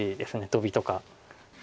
トビとか。